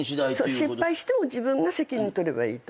そう失敗しても自分が責任とればいいと。